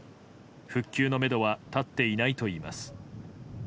復旧のめどはたっていないといいます。